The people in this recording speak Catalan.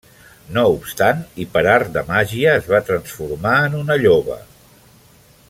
No obstant i per art de màgia es va transformar en una lloba.